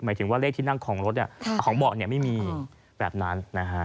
หมายถึงว่าเลขที่นั่งของรถของเบาะไม่มีแบบนั้นนะฮะ